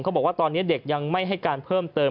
บอกว่าตอนนี้เด็กยังไม่ให้การเพิ่มเติม